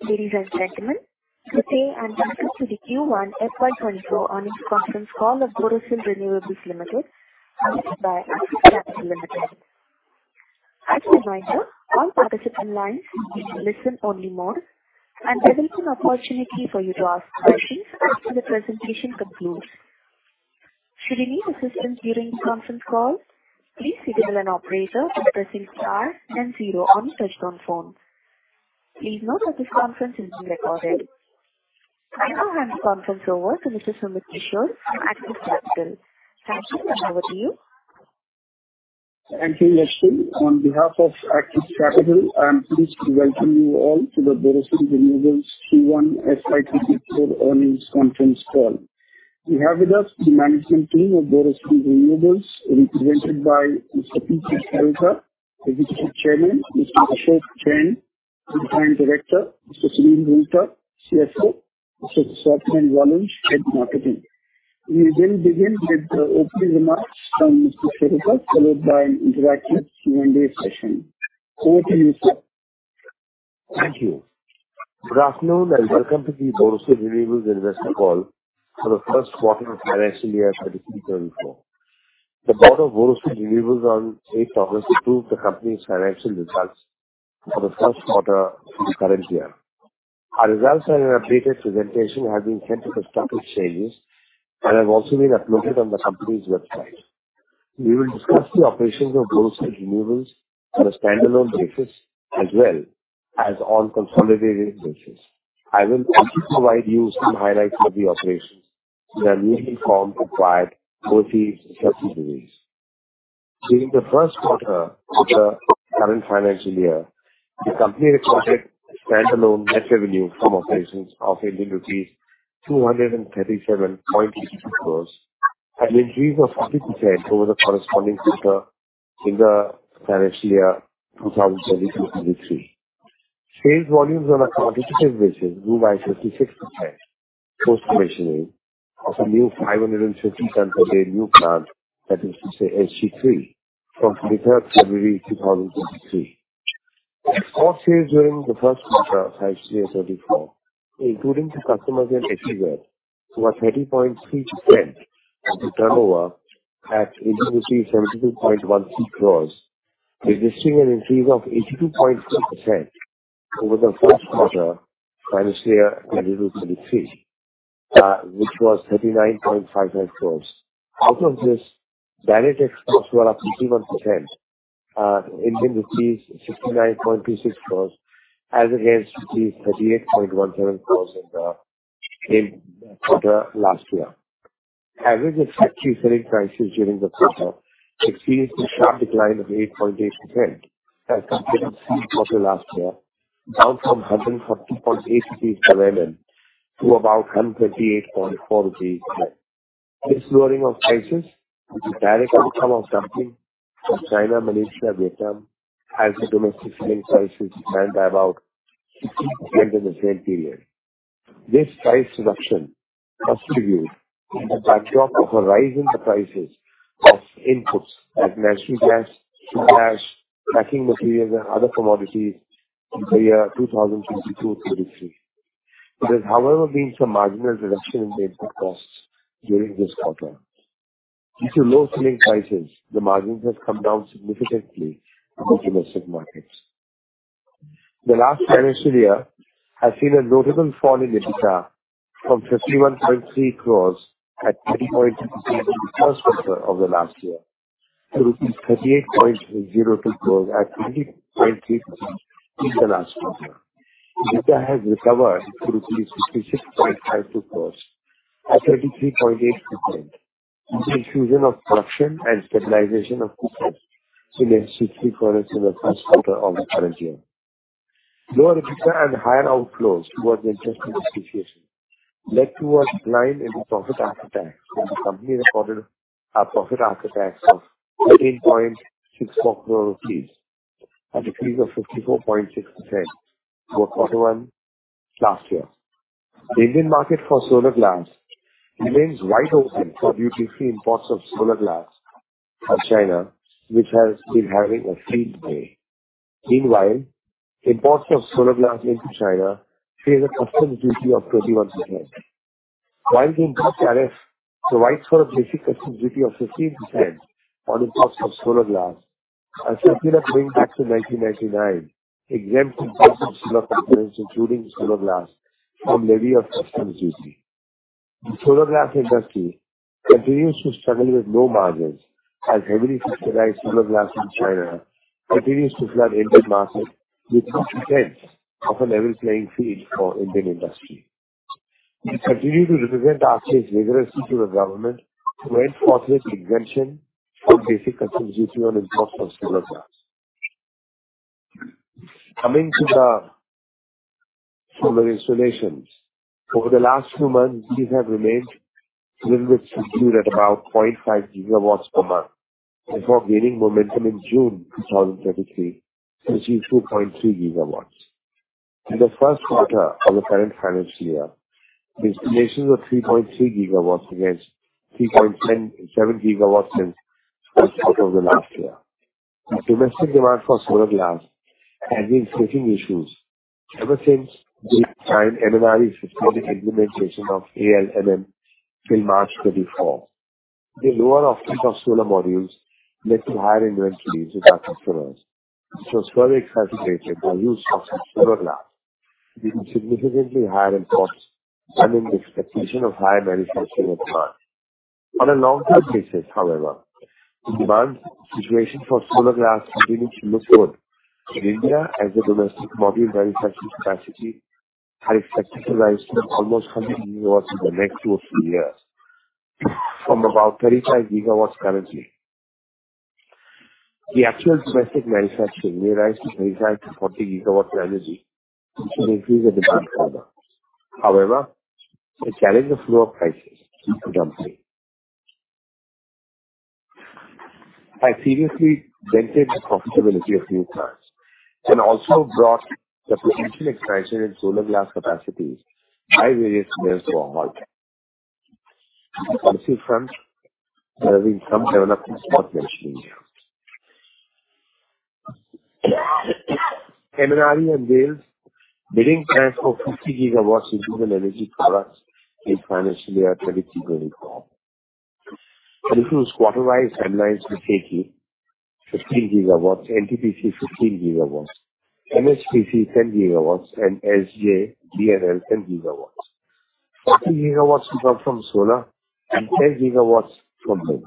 Ladies and gentlemen, good day, and welcome to the Q1 FY 2024 earnings conference call of Borosil Renewables Limited, hosted by Axis Capital Limited. As a reminder, all participant lines are in listen only mode, and there will be an opportunity for you to ask questions after the presentation concludes. Should you need assistance during the conference call, please dial an operator by pressing star then zero on your touchtone phone. Please note that this conference is being recorded. I now hand the conference over to Mr. Sumit Kishore at Axis Capital. Sumit, over to you. Thank you, Lakshmi. On behalf of Axis Capital, I'm pleased to welcome you all to the Borosil Renewables Q1 FY2024 earnings conference call. We have with us the management team of Borosil Renewables, represented by Mr. P.K. Kheruka, Executive Chairman, Mr. Ashok Jain, Managing Director, Mr. Sunil Roongta, CFO, Mr. Swati Valmiki, Head of Marketing. We will begin with the opening remarks from Mr. Kheruka, followed by an interactive Q&A session. Over to you, sir. Thank you. Good afternoon, welcome to the Borosil Renewables investor call for the Q1 of financial year 2023/2024. The Board of Borosil Renewables on 8th August approved the company's financial results for the Q1 of the current year. Our results and an updated presentation have been sent to the stock exchanges and have also been uploaded on the company's website. We will discuss the operations of Borosil Renewables on a standalone basis as well as on a consolidated basis. I will also provide you some highlights of the operations in their newly formed acquired entities subsidiaries. During the Q1 of the current financial year, the company recorded standalone net revenue from operations of Indian rupees 237.52 crore, an increase of 40% over the corresponding quarter in the financial year 2022/2023. Sales volumes on a quantitative basis grew by 56%, post commissioning of a new 550 ton per day new plant, that is to say, HC3, from 3rd February 2023. Four sales during the Q1 of FY 2024, including to customers in FVR, were 30.3% of the turnover at 72.16 crores, registering an increase of 82.6% over the Q1 financial year 2022/2023, which was 39.55 crores. Out of this, direct exports were up 51%, Indian rupees 69.26 crores as against the rupees 38.17 crores in the quarter last year. Average HFC selling prices during the quarter experienced a sharp decline of 8.8% as compared to last year, down from 140.8 per mm to about 128.4 today. This lowering of prices is a direct outcome of dumping from China, Malaysia, Vietnam, as the domestic selling prices stand by about 50% in the same period. This price reduction has reviewed in the backdrop of a rise in the prices of inputs as natural gas, scrap, packing materials, and other commodities in the year 2022/2023. There has, however, been some marginal reduction in the input costs during this quarter. Due to low selling prices, the margins have come down significantly in the domestic markets. The last financial year has seen a notable fall in EBITDA from 51.3 crore at 30.6% in the Q1 of the last year, to rupees 38.02 crore at 30.3% in the last quarter. EBITDA has recovered to 66.52 crore at 33.8%, with the inclusion of production and stabilization of costs in HC3 for us in the Q1 of the current year. Lower EBITDA and higher outflows towards interest association led to a decline in the profit after tax, and the company recorded a profit after tax of 13.64 crore rupees, a decrease of 54.6% for quarter one last year. The Indian market for solar glass remains wide open for duty-free imports of solar glass from China, which has been having a field day. Meanwhile, imports of solar glass into China face a custom duty of 21%. While the tariff provides for a Basic Customs Duty of 15% on imports of solar glass, a circular dating back to 1999 exempts imports of solar components, including solar glass, from levy of customs duty. The solar glass industry continues to struggle with low margins, as heavily subsidized solar glass in China continues to flood Indian markets, with no chance of a level playing field for Indian industry. We continue to represent our case vigorously to the government to enforce this exemption from Basic Customs Duty on imports of solar glass. Coming to the solar installations, over the last few months, these have remained a little bit subdued at about 0.5 gigawatts per month before gaining momentum in June 2023, to achieve 2.3 gigawatts. In the Q1 of the current financial year. The installations of 3.3 gigawatts against 3.107 gigawatts in the course of the last year. The domestic demand for solar glass has been facing issues ever since the time MNRE suspended implementation of ALMM till March 2024. The lower uptake of solar modules led to higher inventories with our customers, so further exacerbated the use of solar glass, leading to significantly higher imports and in the expectation of higher manufacturing of demand. On a long-term basis, however, the demand situation for solar glass continues to look good. India has a domestic module manufacturing capacity that is expected to rise to almost 100 gigawatts in the next two or three years, from about 35 gigawatts currently. The actual domestic manufacturing may rise to 35 to 40 gigawatts annually, which will increase the demand further. The challenge of lower prices in the company. I seriously dented the profitability a few times and also brought the potential expansion in solar glass capacities by various players to a halt. On the policy front, there have been some developments worth mentioning here. MNRE unveiled bidding plans for 50 gigawatts of renewable energy products in financial year 2032 and 2024. This was quarterized online to KK, 15 gigawatts, NTPC, 15 gigawatts, NHPC, 10 gigawatts, and SJ, DNL, 10 gigawatts. 40 gigawatts will come from solar and 10 gigawatts from wind.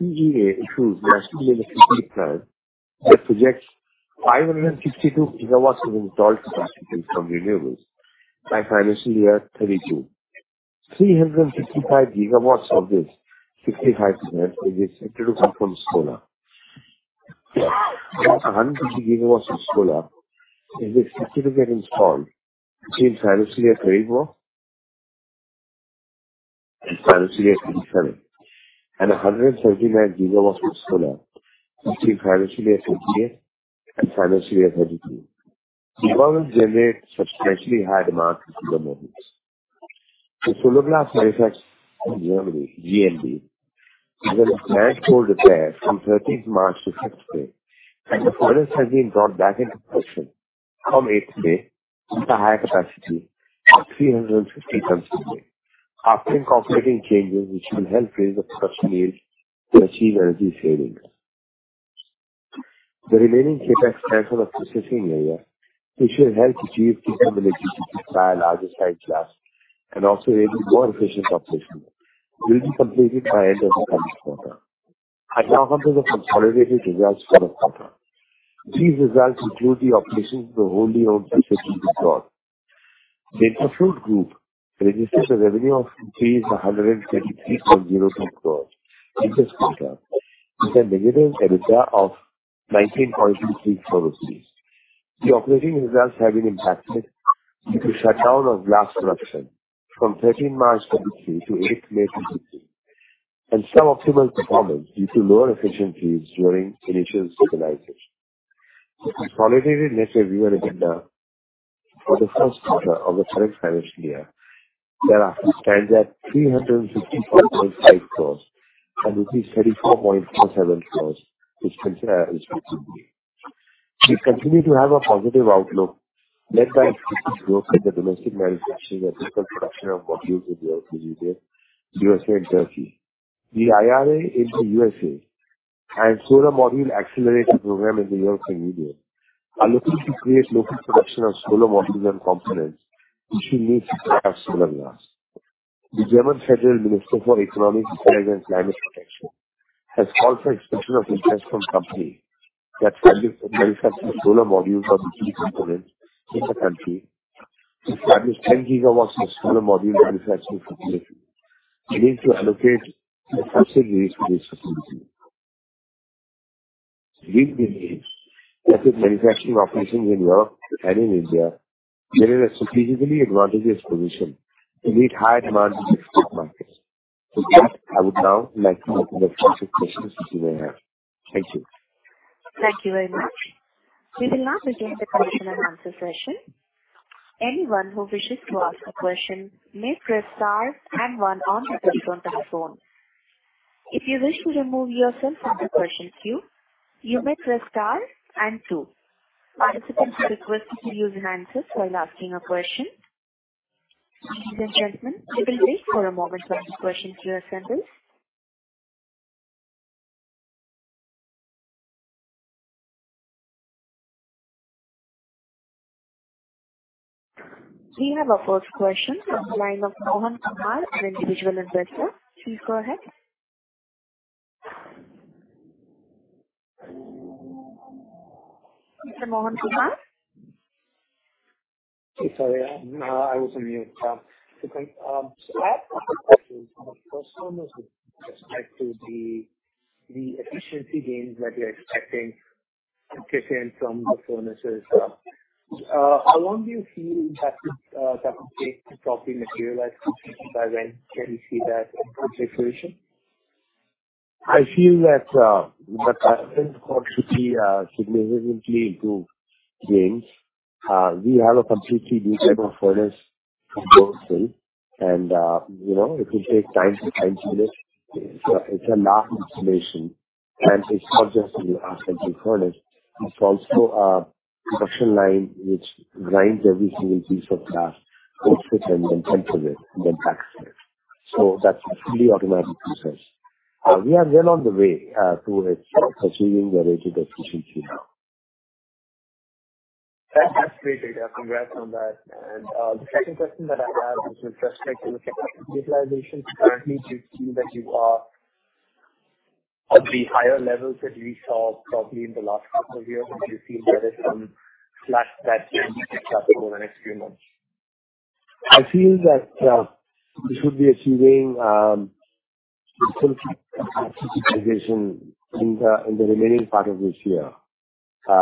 CEA issues the National Electricity Plan that projects 562 gigawatts of installed capacity from renewables by financial year 2032. 365 gigawatts of this, 65%, is expected to come from solar. 150 gigawatts of solar is expected to get installed between financial year 2034 and financial year 2037, 139 gigawatts of solar between financial year 2038 and financial year 2032. Development generate substantially higher demand for solar modules. The Solar Glass manufacturing in Germany, GMB, is on planned cold repair from 13th March to 6th May, the furnace has been brought back into production from 8th May into higher capacity of 350 tons per day, after incorporating changes which will help raise the production yields to achieve energy savings. The remaining CapEx transfer of processing area, which will help achieve capability to install larger size glass and also enable more efficient operation, will be completed by end of the current quarter. I now come to the consolidated results for the quarter. These results include the operations of the wholly owned subsidiaries abroad. The Interfloat Group registered a revenue of 133.06 crore this quarter, with a negative EBITDA of 19.234 crore. The operating results have been impacted due to shutdown of glass production from March 13, 2023 to May 8, 2023, and some optimal performance due to lower efficiencies during initial stabilization. The consolidated net revenue and EBITDA for the Q1 of the current financial year stands at 355.5 crore and rupees 34.47 crore, which consider respectively. We continue to have a positive outlook led by existing growth in the domestic manufacturing and local production of modules in the USA and Turkey. The IRA in the USA and Solar Module Accelerator Program in Europe and India are looking to create local production of solar modules and components, which will need to have solar glass. The German Federal Minister for Economic Affairs and Climate Action has called for expansion of interest from company that manufacture solar modules or key components in the country. To establish 10 gigawatts of solar module manufacturing facility, we need to allocate the necessary resources. We believe that with manufacturing operations in Europe and in India, we are in a strategically advantageous position to meet higher demand in the markets. With that, I would now like to open the floor to questions which you may have. Thank you. Thank you very much. We will now begin the Q&A session. Anyone who wishes to ask a question, may press star and one on your telephone. If you wish to remove yourself from the question queue, you may press star and two. Participants are requested to use answers while asking a question. Ladies and gentlemen, we will wait for a moment while the questions are assembled. We have our first question from the line of Mohan Kumar, an individual investor. Please go ahead. Mr. Mohan Kumar? Sorry, I, I was on mute. I have a question. The first one is with respect to the, the efficiency gains that you're expecting to kick in from the furnaces. How long do you feel that, that will take to properly materialize? By when can you see that in full situation? I feel that, what I want to see, significantly to change, we have a completely new type of furnace proposal. You know, it will take time to time it. It's a large installation, and it's not just in the aspect of furnace, it's also a production line which grinds every single piece of glass, puts it, and then tempers it, then packs it. That's a fully automatic process. We are well on the way, towards achieving the rated efficiency now. That's great data. Congrats on that. The second question that I have is with respect to the utilization. Currently, do you feel that you are at the higher levels that we saw probably in the last couple of years? Do you feel there is some slack that can be picked up over the next few months? I feel that we should be achieving some utilization in the remaining part of this year. We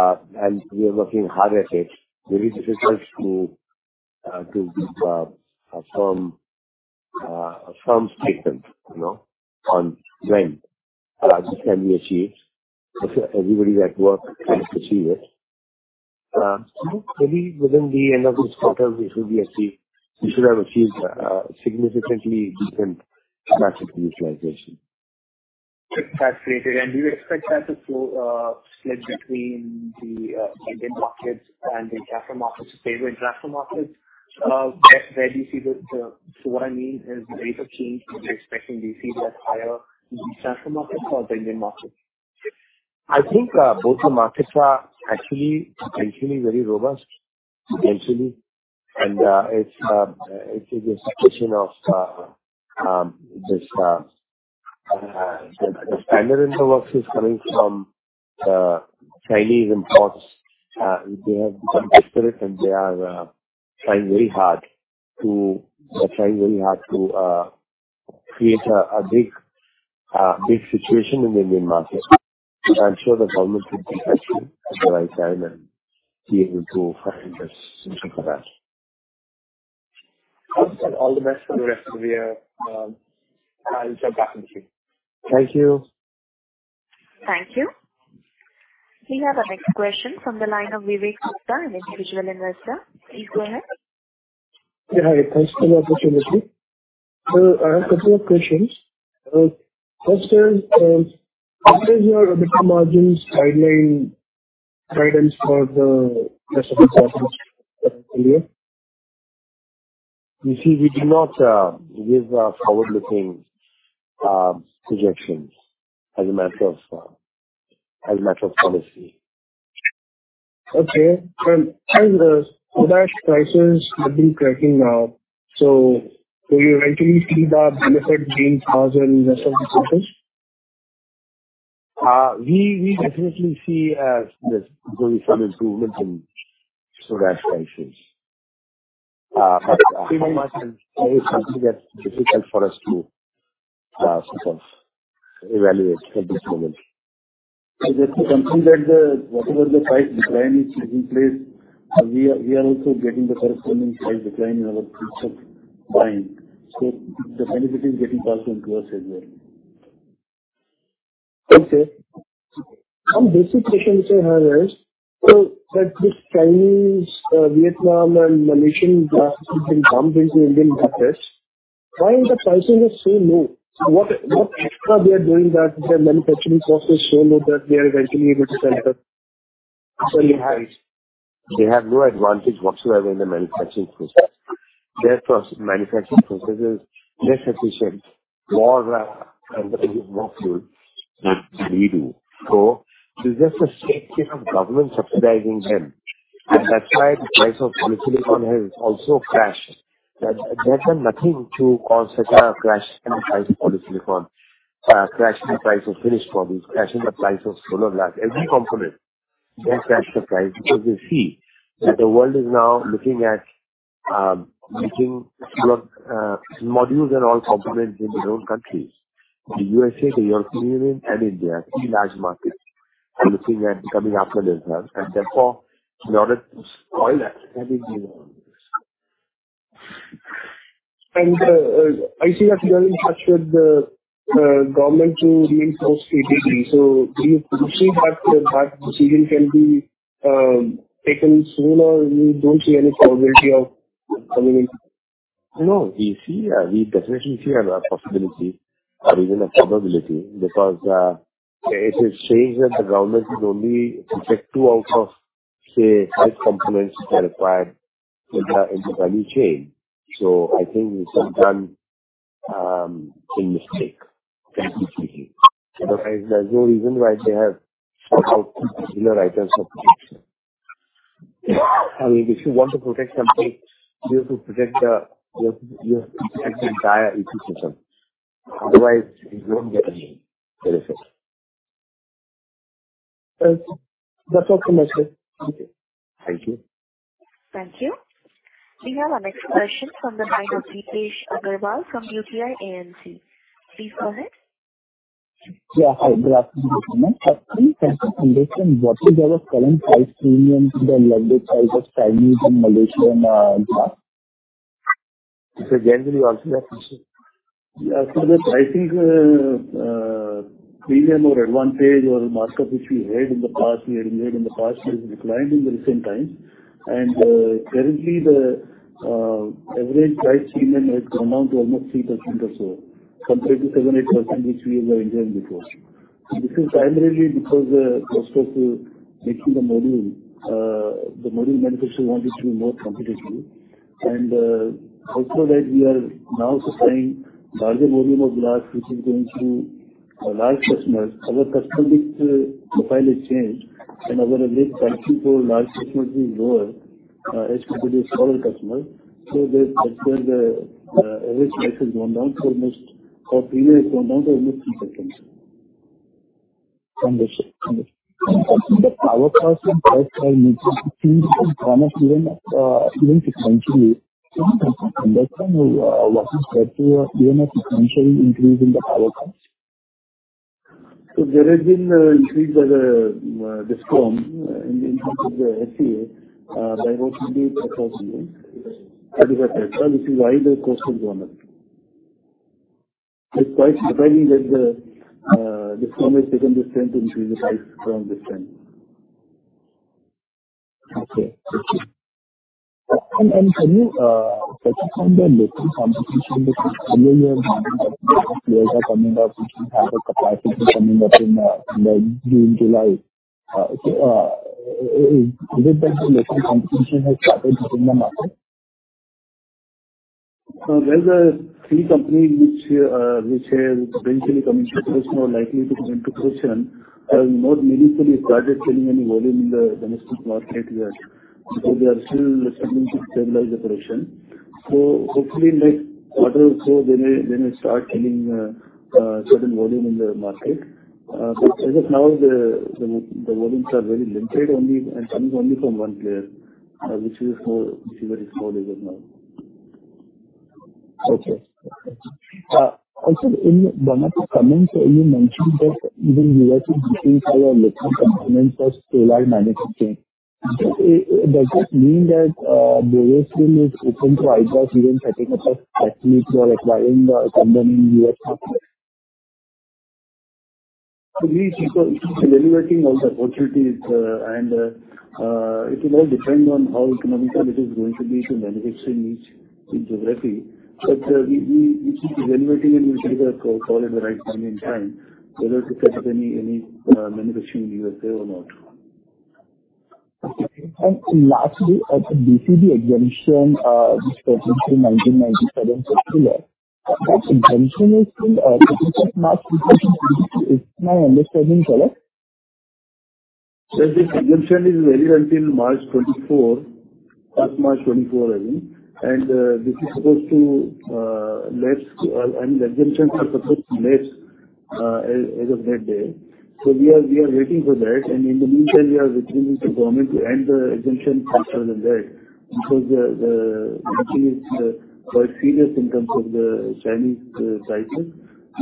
are working hard at it. Very difficult to confirm a firm statement, you know, on when this can be achieved. Of course, everybody is at work trying to achieve it. Maybe within the end of this quarter, it will be achieved. We should have achieved a significantly different capacity utilization. That's great. Do you expect that to flow, split between the Indian markets and the foreign markets, favor foreign markets? What I mean is the rate of change you're expecting, do you see that higher in the foreign markets or Indian markets? I think, both the markets are actually, actually very robust, actually. It's a question of this, the standard in the works is coming from Chinese imports. They have become desperate, and they are trying very hard to create a big, big situation in the Indian market. I'm sure the government will take action at the right time and be able to find a solution for that. All the best for the rest of the year. I'll jump back with you. Thank you. Thank you. We have our next question from the line of Vivek Gupta, an individual investor. Please go ahead. Yeah. Hi, thanks for the opportunity. I have a couple of questions. First is, what is your EBITDA margins guidance for the rest of the year? You see, we do not give forward-looking projections as a matter of as a matter of policy. Okay. As the solar prices have been tracking now, will you eventually see the benefit being passed on rest of the prices? We, we definitely see, this going some improvement in solar prices. It is something that's difficult for us to, sort of evaluate at this level. Just to confirm that the, whatever the price decline is taking place, we are, we are also getting the corresponding price decline in our purchase price. The benefit is getting passed on to us as well. Okay. One basic question which I have is, so that the Chinese, Vietnam, and Malaysian glass Indian glass, why is the pricing is so low? What, what extra they are doing that their manufacturing cost is so low that they are eventually able to sell the. They have no advantage whatsoever in the manufacturing process. Their manufacturing process is less efficient, more, and more food than we do. It's just a straight case of government subsidizing them, and that's why the price of polysilicon has also crashed. They've done nothing to cause such a crash in the price of polysilicon. Crashing the price of finished products, crashing the price of solar glass, every component. They crash the price because they see that the world is now looking at making solar modules and all components in their own countries. The USA, the European Union, and India, three large markets, are looking at becoming self-reliant, and therefore, in order to spoil that, they need to do this. I see that you are in touch with the government to remove most ADD. Do you see that that decision can be taken soon, or you don't see any possibility of coming in? We see, we definitely see a possibility or even a probability, because it is saying that the government is only protect two out of, say, five components that are required in the, in the value chain. I think it's sometimes, a mistake, frankly speaking. Otherwise, there's no reason why they have sought out similar items of protection. I mean, if you want to protect something, you have to protect the, you have to protect the entire ecosystem. Otherwise, you won't get any benefit. That's all from my side. Okay. Thank you. Thank you. We have our next question from the line of Deepesh Agarwal from UTI AMC. Please go ahead. Hi, good afternoon. Firstly, can you understand what is our current price premium to the level price of Chinese and Malaysian glass? Generally, also you have issue? I think, premium or advantage or markup which we had in the past, we had made in the past, has declined in the recent times. Currently, the average price premium has come down to almost 3% or so, compared to 7% to 8%, which we were enjoying before. This is primarily because, first of making the module, the module manufacturer wanted to be more competitive. Also that we are now supplying larger volume of glass, which is going to our large customers. Our customer base profile has changed, and our mix selling for large customers is lower as compared to smaller customers. The average price has gone down to almost, or premium has gone down to almost 3%. Understood. Understood. I think the power costs and power style mixture, it seems it's gone up even, even sequentially. Can you comment on, what has led to, even a sequential increase in the power cost? There has been a increase by the DISCOM in terms of the FCA by roughly INR 4,000, which is why the cost has gone up. It's quite surprising that the DISCOM has taken the strength to increase the price from this time. Okay. Thank you. Can you touch upon the local competition, because earlier you have mentioned that players are coming up, which will have a capacity coming up in the June, July? Is it that the local competition has started within the market? There's a three company which is eventually coming to production or likely to come into production, have not meaningfully started selling any volume in the domestic market yet, because they are still struggling to stabilize operation. Hopefully, next quarter or so, they may, they may start selling certain volume in the market. As of now, the, the, the volumes are very limited, only, and coming only from 1 player, which is more, which is more visible now. Okay. Also in one of the comments, you mentioned that even you are looking for your local components for scale manufacturing. Does this mean that Bilaspur is open to either even setting up a factory for acquiring the company in U.S. market? We keep on evaluating all the opportunities, and it will all depend on how economical it is going to be to manufacture in each, in geography. We, we, we keep evaluating, and we'll take a call at the right time and time, whether to set up any, any, manufacturing in USA or not. Okay. lastly, BCD exemption, which came into 1997 particular, that exemption is still, because of mass production, is my understanding correct? Yes, the exemption is valid until March 24, last March 24, I think. This is supposed to lapse, and the exemptions are supposed to lapse as of that day. We are, we are waiting for that, and in the meantime, we are requesting the government to end the exemption faster than that, because the, the actually it's quite serious in terms of the Chinese titles.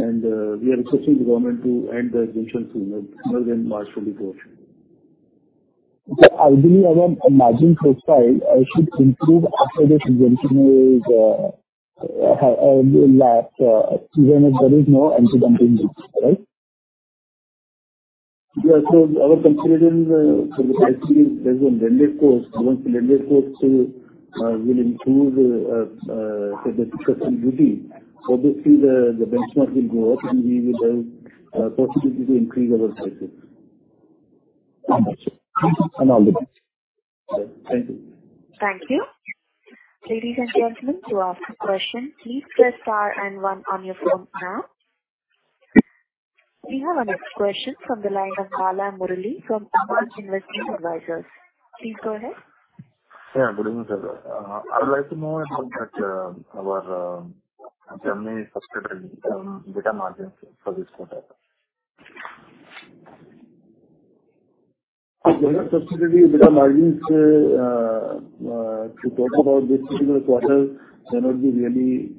We are requesting the government to end the exemption sooner than March 24. Ideally, our margin profile should improve after this exemption is lapsed, even if there is no Anti-Dumping Duty, right? Yeah. Our consideration, from the price is there's a blended cost. Once the blended cost will improve the Anti-Dumping Duty, obviously the benchmark will go up, and we will have possibility to increase our prices. Understood. Understood. All the best. Thank you. Thank you. Ladies and gentlemen, to ask a question, please press star and one on your phone now. We have our next question from the line of Bala Murali from Investec. Please go ahead. Yeah, good evening, sir. I'd like to know about that, our Germany subsidiary, EBITDA margins for this quarter? Our Germany subsidiary EBITDA margins to talk about this particular quarter cannot be really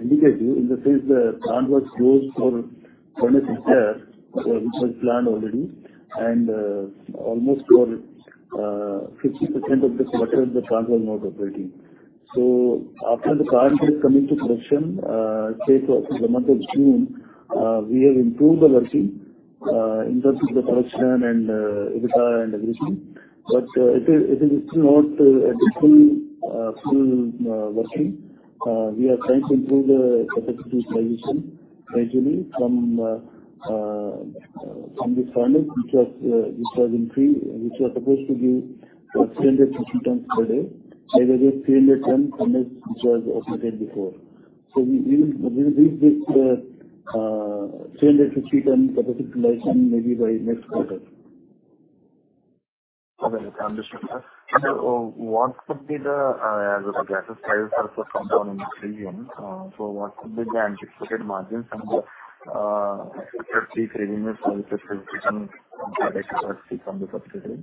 indicative, in the sense the plant was closed for almost a year, which was planned already. Almost for 50% of this quarter, the plant was not operating. After the plant is coming to production, say for the month of June, we have improved the margin in terms of the production and EBITDA and everything, but it is still not at the full full working. We are trying to improve the capacity utilization gradually from from this furnace, which was which was in three, which was supposed to give 350 tons per day, either get 300 tons unless which was operated before. We, we, we reach this, 350 ton capacity utilization maybe by next quarter. Okay, understood, sir. What could be the, as the prices are also coming down in this region, so what could be the anticipated margins and the expected revenue from the subsidiary from the subsidiary?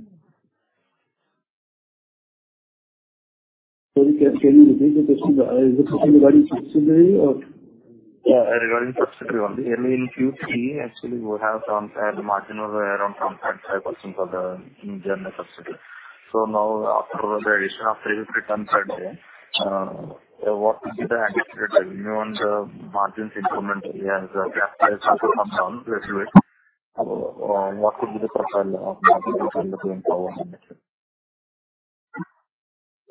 Sorry, can you repeat the question? Is this regarding subsidiary or? Yeah, regarding subsidiary only, in Q3, actually, we have some margin of around some 0.5% for the general subsidiary. Now after the addition of 300 tons per day, what would be the anticipated revenue and the margins increment as the capacity comes down little bit? What would be the profile of margin going forward?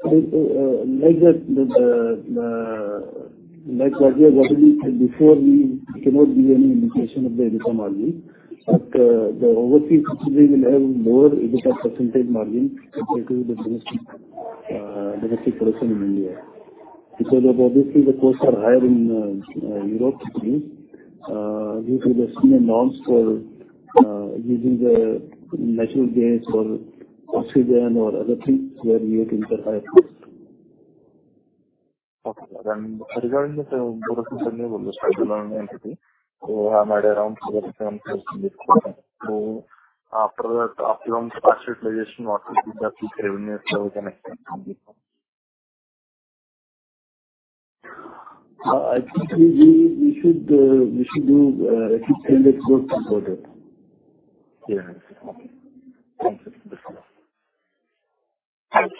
Like that, the, the, like what we have already said before, we cannot give any indication of the additional margin, but the overseas subsidiary will have lower EBITDA percentage margin compared to the business, domestic production in India, because obviously the costs are higher in Europe, due to the norms for using the natural gas or oxygen or other things where you require. Okay. Regarding the borosilicate entity, I made around 7%. After the optimum capacity utilization, what would be the future revenues or the next time? I think we, we should, we should do a separate call for that. Yeah. Okay. Thanks. Thank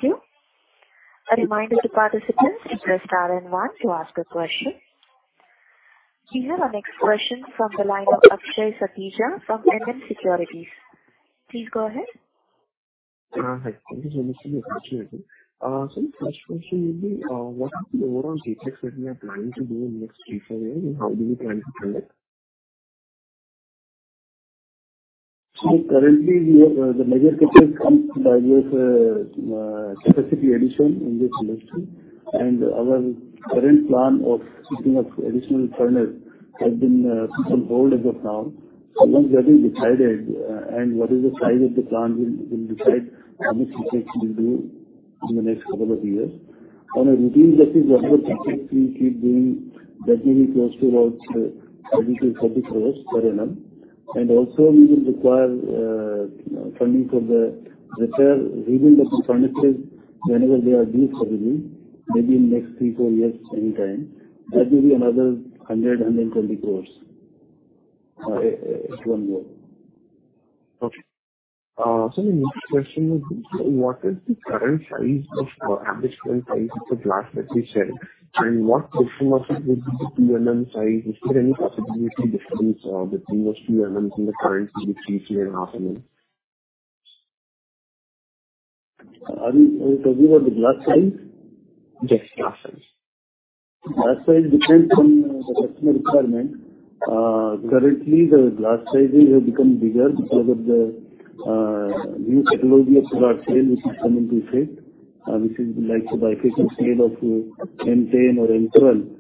you. A reminder to participants to press star and one to ask a question. We have our next question from the line of Akshay Satija from EM Securities. Please go ahead. Hi. Thank you so much for your question. The first question will be, what is the overall CapEx that we are planning to do in the next three to four years, and how do you plan to do it? Currently, we the major CapEx comes by way of capacity addition in this industry, and our current plan of putting up additional furnace has been put on hold as of now. Once we have decided and what is the size of the plant, we'll, we'll decide how much CapEx we'll do in the next couple of years. On a routine basis, whatever CapEx we keep doing, that may be close to about INR 30 to 40 crore per annum. Also we will require funding for the repair, rebuild of the furnaces whenever they are due for review, maybe in next three, four years, anytime. That may be another 100 to 120 crore per year. Okay. The next question is, what is the current size of, at this current size of the glass that we sell, and what difference must it be the 2 MM size? Is there any possibility difference, between those 2 MM and the current 3, 3.5 MM? Are you, are you talking about the glass size? Yes, glass size. Glass size depends on the customer requirement. Currently, the glass sizes have become bigger because of the new technology of solar cell, which is coming to effect, which is like the bifacial M10 or M12.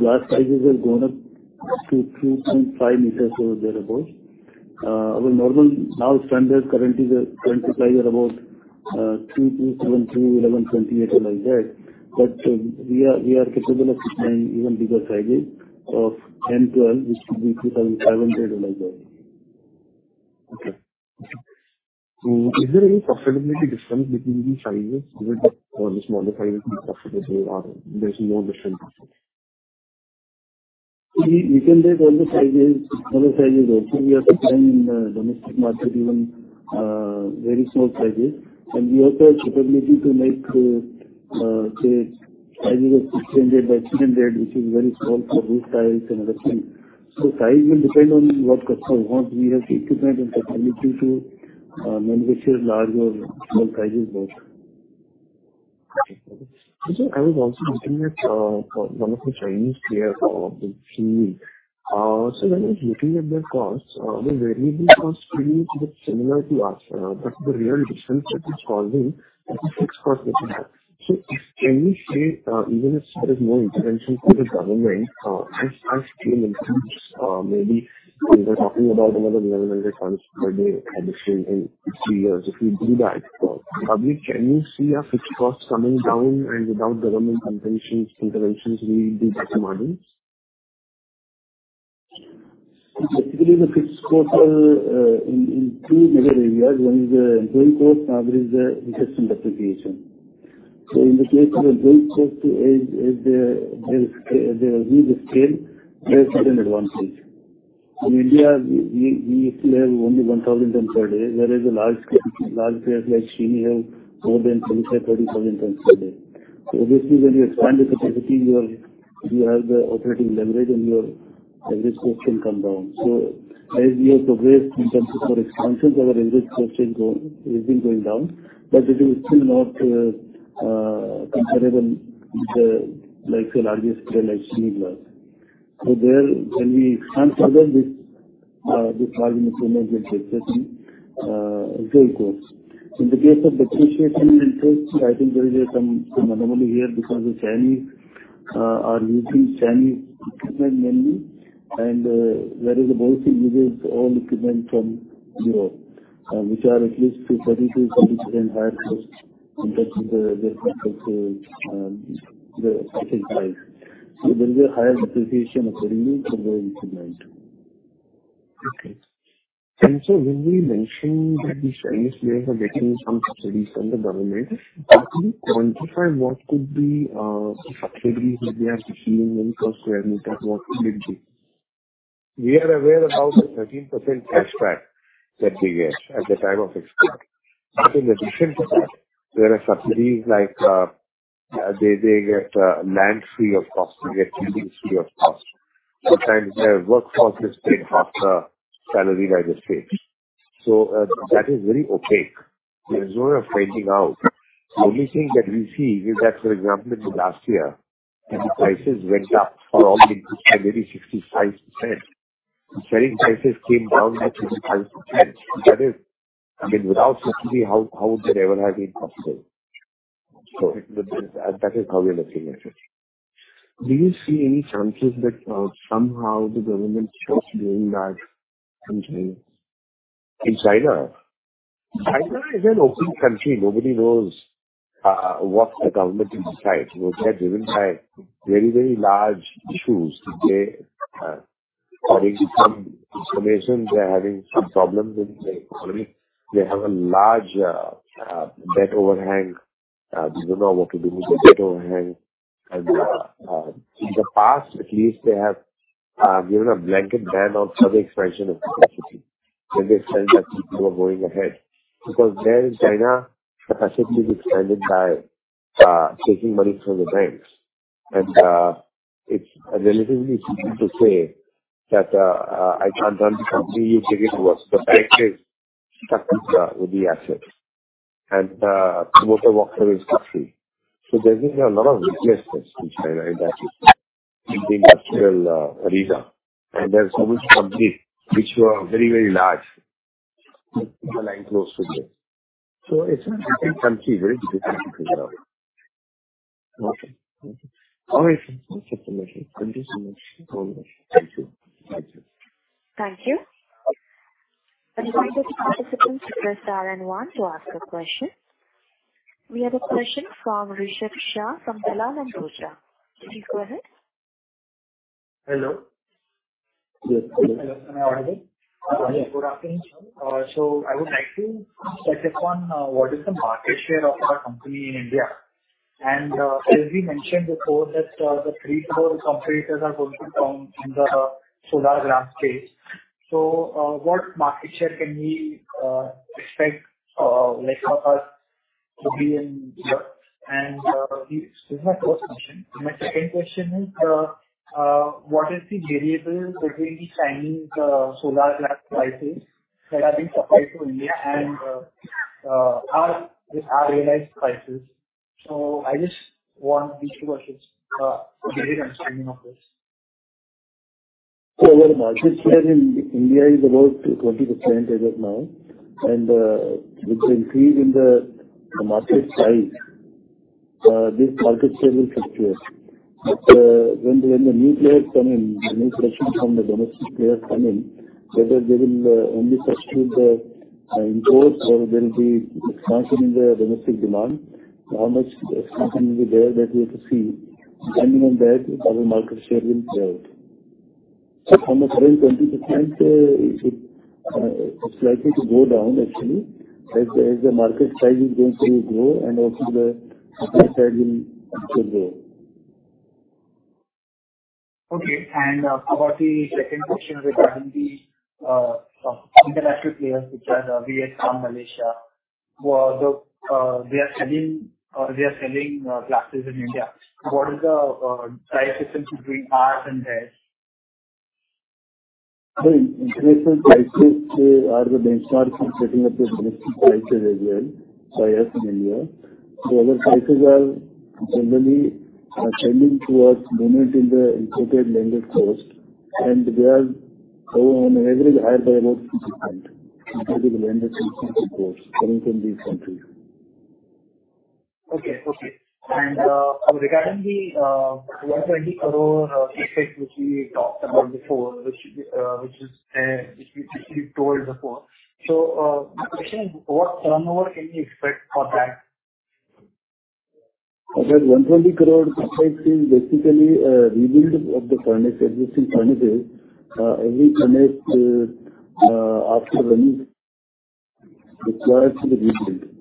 Glass sizes have gone up to 2.5 meters or thereabout. Our normal now standard currently the current sizes are about 3 to 7, 3, 11, 28, or like that. We are, we are capable of supplying even bigger sizes of 10, 12, which could be 2,700, or like that. Okay. Is there any profitability difference between these sizes or the smaller sizes profitable, or there's no difference? We, we can make all the sizes, all the sizes. Also, we are supplying in the domestic market even, very small sizes, and we also have capability to make, say, sizes of 600 by 700, which is very small for roof tiles and other things. Size will depend on what customer wants. We have the equipment and capability to manufacture large or small sizes as well. Okay. I was also looking at one of the Chinese player, Xinyi. When I was looking at their costs, the variable costs seem to be similar to us, but the real difference that is causing is the fixed cost that you have. Can you say, even if there is no intervention from the government, as scale improves, maybe we were talking about another 1,100 tons per day addition in three years. If we do that, can you see our fixed costs coming down and without government interventions, interventions, we do better margins? Typically, the fixed costs are in two major areas. One is the employee cost, another is the system depreciation. In the case of employee cost, the scale has an advantage. In India, we still have only 1,000 tons per day, whereas the large scale, large players like Xinyi have more than 25,000 to 30,000 tons per day. Obviously, when you expand the capacity, you have the operating leverage, and your average cost can come down. As we have progressed in terms of our expansions, our average cost has been going down, but it is still not comparable with the largest player like Xinyi Glass. There, when we expand further, this margin improvement will take place in employee costs. In the case of depreciation interest, I think there is some, some anomaly here because the Chinese are using Chinese equipment mainly, and whereas the Borosil uses all equipment from Europe, which are at least 30 to 35 higher cost in terms of the, the purchase price. There is a higher depreciation accordingly for the equipment. Okay. When we mentioned that the Chinese players are getting some subsidies from the government, can you quantify what could be, the subsidies that they are receiving when per square meter, what could it be? We are aware about the 13% cash back that they get at the time of export. In addition to that, there are subsidies like, they, they get, land free of cost. They get buildings free of cost. Sometimes their workforce is paid half the salary by the state. That is very opaque. There's no way of finding out. The only thing that we see is that, for example, in the last year, when the prices went up strongly to maybe 65%, the selling prices came down to 55%. That is, I mean, without subsidy, how, how would they ever have been possible? That is how we are looking at it. Do you see any chances that, somehow the government stops doing that someday? In China? China is an open country. Nobody knows what the government will decide. They are driven by very, very large issues. They, according to some information, they're having some problems in the economy. They have a large debt overhang. They don't know what to do with the debt overhang. In the past at least, they have given a blanket ban on further expansion of capacity, when they felt that people were going ahead. Because there in China, capacity is expanded by taking money from the banks. It's relatively easy to say that I can't run the company, you take it to work. The bank is stuck with the assets, and promoter walks away scot-free. There is a lot of restlessness in China, in that, in the industrial arena, and there are so much companies which were very, very large, the line goes with this. It's a different country, very different to figure out. Okay. Thank you. All right, sir. Thank you so much. Thank you. Thank you. I invite other participants to press star and one to ask a question. We have a question from Rishabh Shah from Dalal & Broacha. Please go ahead. Hello. Yes, hello. Would like to check up on what is the market share of our company in India? As we mentioned before, the three core competitors are going to come in the solar glass space. What market share can we expect of us to be in India? This is my first question. My second question is, what is the variance between the Chinese solar glass prices that are being supplied to India and our realized prices? I just want these two questions, a great understanding of this Our market share in India is about 20% as of now, and with the increase in the market size, this market share will secure. When the, when the new players come in, new players from the domestic players come in, whether they will only substitute the imports or there will be expansion in the domestic demand, how much expansion will be there, that we have to see. Depending on that, our market share will develop. How much is in 20%, it's likely to go down actually, as the, as the market size is going to grow and also the market share will also grow. About the second question regarding the international players, which are Vietnam, Malaysia, they are selling glasses in India. What is the price difference between ours and theirs? The international prices are the benchmark for setting up the domestic prices as well, so as in India. Our prices are generally trending towards moment in the imported landed cost, and they are on an average higher by about 50%, comparative landed cost coming from these countries. Okay. Okay. Regarding the 120 crore CapEx, which we talked about before, which which is which we actually told before. My question is: What turnover can we expect for that? That 120 crore CapEx is basically a rebuild of the furnace, existing furnaces. Every furnace after running requires to be rebuilt. It's a,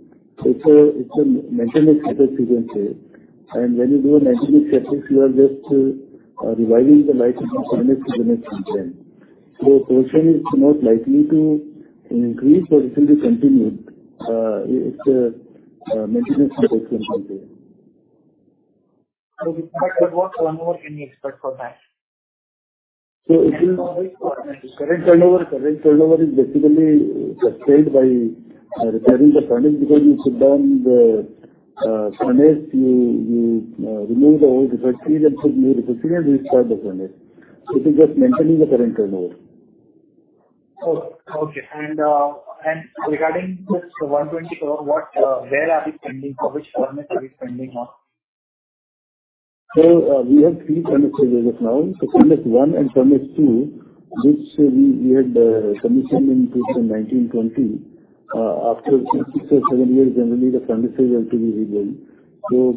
it's a maintenance type of frequency. When you do a maintenance CapEx, you are just reviving the life of the furnace to the next in time. Portion is not likely to increase, but it will be continued. It's a maintenance CapEx. What turnover can we expect for that? It is current turnover. Current turnover is basically sustained by repairing the furnace because you put down the furnace, remove the old refractory and put new refractory and restart the furnace. It is just maintaining the current turnover. Oh, okay. Regarding this 120 crore, what, where are we spending? For which furnace are we spending on? We have three furnaces as of now. Furnace One and Furnace Two, which we, we had commissioned in 2019/2020. After six or seven years, generally the furnaces have to be rebuilt.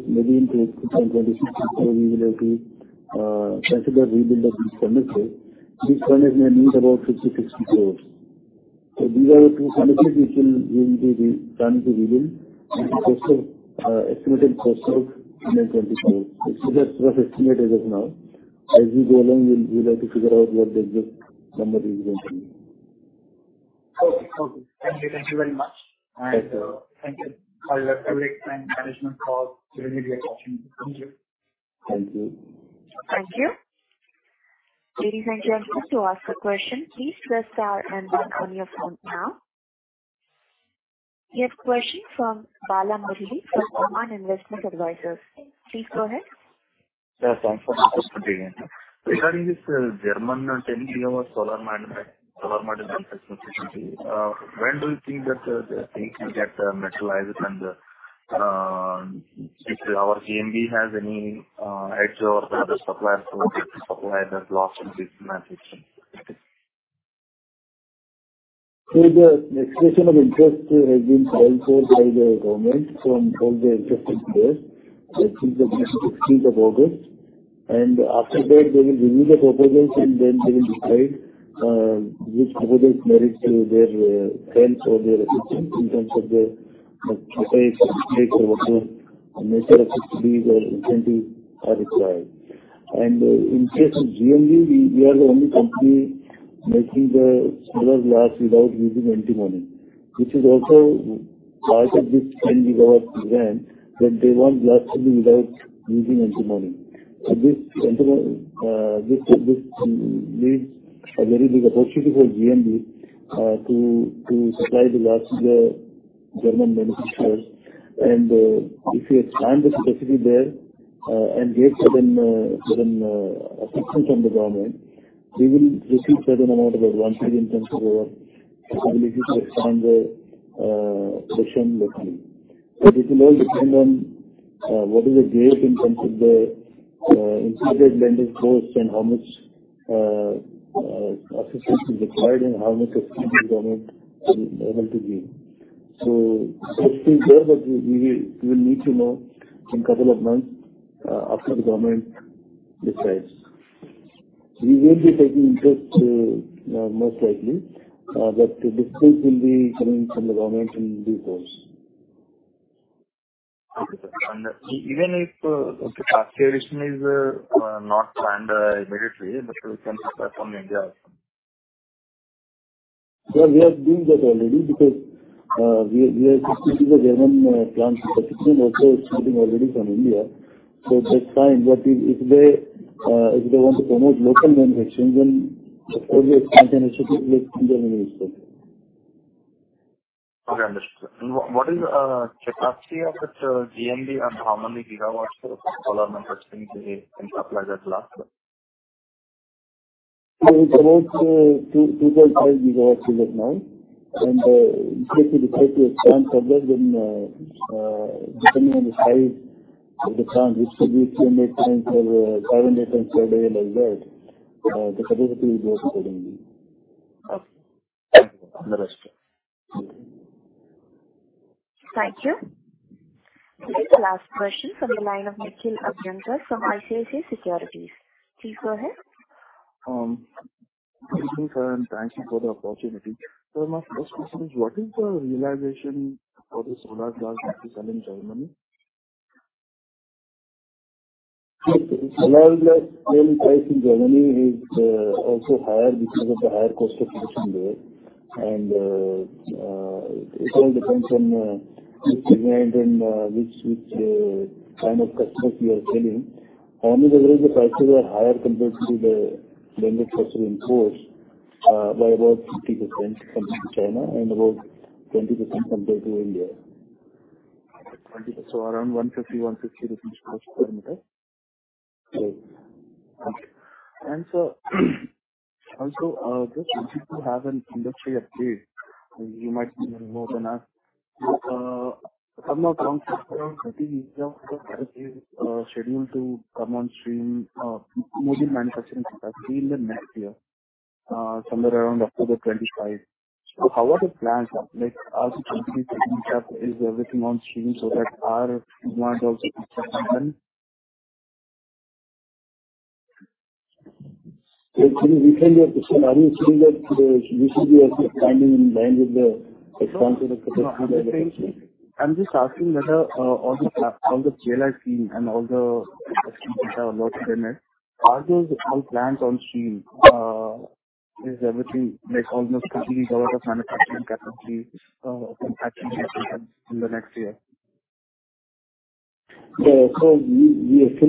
Maybe in 2026 we will have to consider rebuild of these furnaces. These furnaces may need about INR 50 to 60 crore. These are the two facilities which will need to be planned to rebuild, and the cost of estimated cost of 924. That's what estimated as of now. As we go along, we'll, we'll have to figure out what the exact number is going to be. Okay. Okay. Thank you. Thank you very much. Thank you. Thank you for your time management call. Thank you. Thank you. Thank you. Thank you. Thank you. To ask a question, please press star and one on your phone now. Next question from Bala Murali from Investec. Please go ahead. Yeah, thanks for the opportunity. Regarding this German 10 gigawatts solar manufacturer, solar manufacturer, when do you think that the thing will get materialized, and if our GMB has any edge over the other suppliers, so suppliers has lost in this manufacturing? The expression of interest has been well told by the government from all the interested players, I think the 15th of August. After that, they will review the proposals and then they will decide which proposals merit to their plans or their assistance in terms of the subsidy or whatever nature of subsidies or incentives are required. In case of GMB, we are the only company making the solar glass without using antimony, which is also part of this 10 gigawatts event, that they want glass to be without using antimony. This antimony, this, this leads a very big opportunity for GMB to supply the glass to the German manufacturers. If we expand the capacity there, and get certain, certain, assistance from the government, we will receive certain amount of advantage in terms of our ability to expand the production locally. It will all depend on what is the gap in terms of the increased blended cost and how much assistance is required and how much assistance government will be able to give. It's still there, but we, we will need to know in couple of months after the government decides. We will be taking interest most likely, but this case will be coming from the government in details. Okay, sir. Even if capacity addition is not planned immediately, but we can start from India also. Well, we are doing that already because we are, we are supplying the German plant capacity and also exporting already from India. That's fine, but if they, if they want to promote local manufacturing, then all the expansion should take place in Germany also. Okay, understood. What is, capacity of the GMB and how many gigawatts of solar manufacturing can supply that glass? It's about 2.5 GW as of now. If we decide to expand further, then, depending on the size of the plant, which could be 3 megatonnes or 7 megatonnes per day like that, the capacity will go up accordingly. Okay. Thank you. Understood. Thank you. This is the last question from the line of Nalin Agrawal from ICICI Securities. Please go ahead. good evening, sir, and thank you for the opportunity. My first question is, what is the realization for the solar glass that you sell in Germany? The solar glass selling price in Germany is also higher because of the higher cost of production there. It all depends on which brand and which, which kind of customers we are selling. Only the rates of prices are higher compared to the vendor prices in course by about 50% compared to China and about 20% compared to India. Around INR 150 to 160 per square meter? Yes. Okay. Also, just if you have an industry update, you might know more than us. Some of around 30 GW of capacity scheduled to come on stream, module manufacturing capacity in the next year, somewhere around October 2025. How are the plans like as a company to ensure is everything on stream so that our demands also can be met? Actually, repeat your question. Are you saying that the BCG is standing in line with the expansion of the capacity? I'm just asking whether all the CLI team and all the investment data are locked in it. Are those all plans on stream? Is everything like almost 50 gigawatts of manufacturing capacity, actually in the next year? We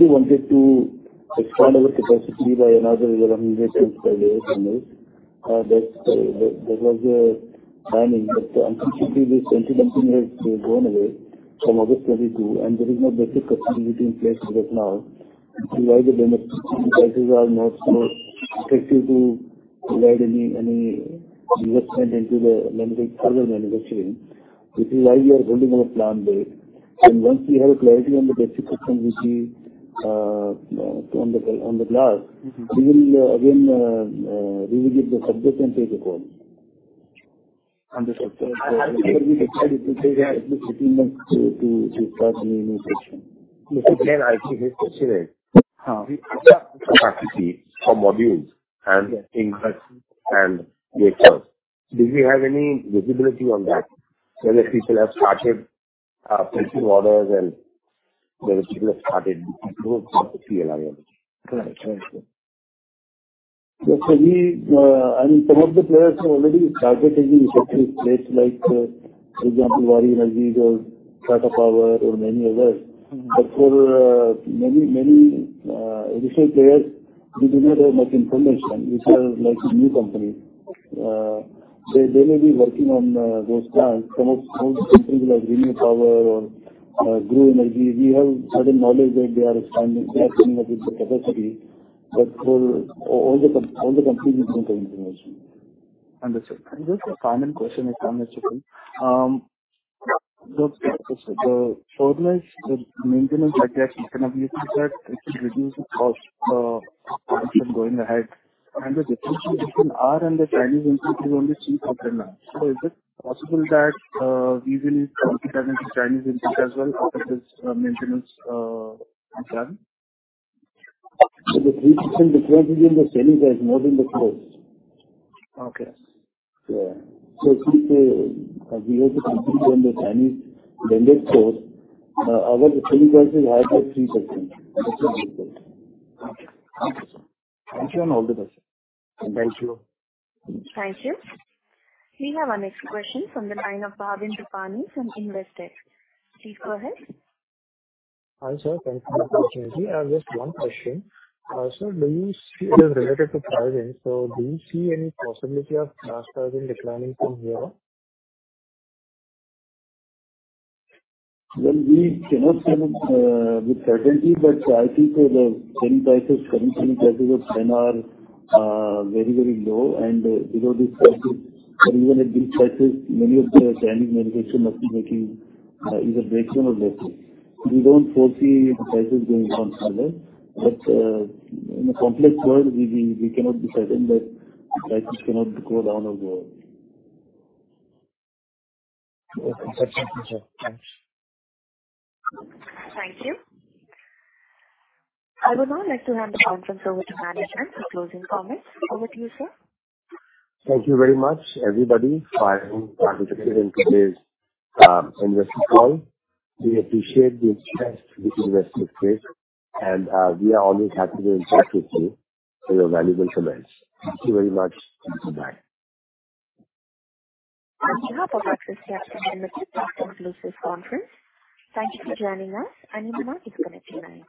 wanted to expand our capacity by another 11 megatonnes per year on this. That's, that was the planning, but unfortunately, this 20 megatonnes has gone away from August 2022, and there is no basic capacity in place right now to provide the manufacturing. Prices are not so effective to provide any, any investment into the manufacturing, further manufacturing. This is why we are holding our plan there. And once we have a clarity on the execution, which is on the glass, we will again re-review the subject and take a call. Understood. I think it will take at least 18 months to start the new session. I see this question is Yeah. Capacity for modules and inverters and data. Do we have any visibility on that, whether people have started placing orders and whether people have started to see availability? Correct. Correct, sir. Yes, sir, we, and some of the players have already started in the respective space, like, for example, Waaree Energies or Tata Power or many others. Mm-hmm. For many, many additional players, we do not have much information, which are like new companies. They, they may be working on those plans. Some of those companies, like ReNew Power or Grew Energy, we have certain knowledge that they are expanding, they are coming up with the capacity, but for all the companies, we don't have information. Understood. Just a final question, if I may, sir? The, the solar maintenance that you have mentioned, that it will reduce the cost going ahead, and the difference between our and the Chinese industry is only cheap of the month. Is it possible that we will compete against the Chinese industry as well after this maintenance is done? The 3% difference is in the selling price, not in the cost. Okay. Yeah. If we, we have to compete on the Chinese blended cost, our selling price is higher by 3%. Okay. Thank you, sir. Thank you and all the best, sir. Thank you. Thank you. We have our next question from the line of Bhavin Vithlani from Axis Capital. Please go ahead. Hi, sir, thank you for the opportunity. I have just one question. sir, do you see? It is related to pricing. Do you see any possibility of fast pricing declining from here on? Well, we cannot tell with certainty, but I think the selling prices, current selling prices of 10 are very, very low. Below these prices, even at these prices, many of the Chinese manufacturers are not making either breakeven or losses. We don't foresee the prices going down further, but in a complex world, we cannot be certain that prices cannot go down or go up. Okay. Thank you, sir. Thanks. Thank you. I would now like to hand the conference over to management for closing comments. Over to you, sir. Thank you very much, everybody, for participating in today's investor call. We appreciate the interest the investors take, and we are always happy to interact with you for your valuable comments. Thank you very much, goodbye. On behalf of Axis Capital and the exclusive conference, thank you for joining us, and you may now disconnect your lines.